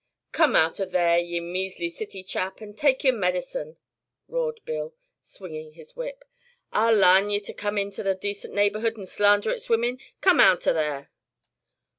"Come out o' there, ye measly city chap, an' take yer medicine," roared Bill, swinging his whip. "I'll larn ye to come inter a decent neighborhood an' slander its women. Come outer there!"